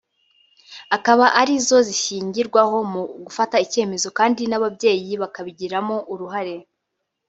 akaba ari zo zishingirwaho mu gufata icyemezo kandi n’ababyeyi bakabigiramo uruhare